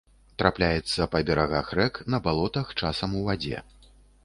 Трапляецца па берагах рэк, на балотах, часам у вадзе.